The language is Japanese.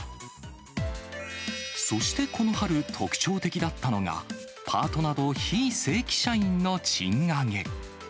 そしてこの春、特徴的だったのが、パートなど非正規社員の賃上げ。